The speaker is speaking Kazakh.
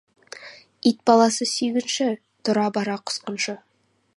Ит баласы сүйгінші, тұра бара құсқыншы.